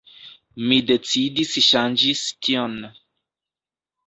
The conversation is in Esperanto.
Mi decidis ŝanĝis tion.